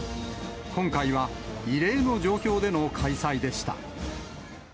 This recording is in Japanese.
今回は異例の状況での開催でした。